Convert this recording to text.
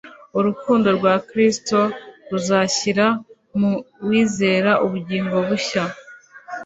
Urukundo rwa Kristo ruzashyira mu wizera ubugingo bushya.